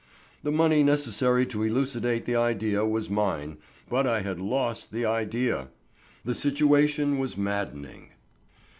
The money necessary to elucidate the idea was mine, but I had lost the idea! The situation was maddening.